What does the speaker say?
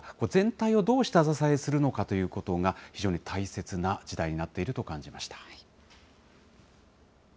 全体をどう下支えするのかということが、非常に大切な時代になっていると感じました。